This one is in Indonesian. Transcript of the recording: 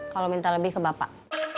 kalau minta lebih ke bapak